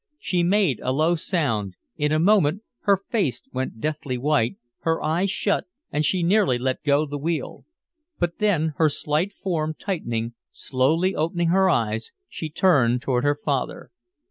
She made a low sound, in a moment her face went deathly white, her eyes shut and she nearly let go the wheel. But then, her slight form tightening, slowly opening her eyes she turned toward her father.